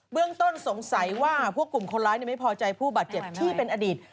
เรื่องต้นสงสัยว่าพวกกลุ่มคนร้ายไม่พอใจผู้บาดเจ็บที่เป็นอดีต